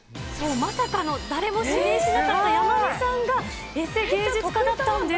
まさかの誰も指名しなかった山根さんがエセ芸術家だったんです。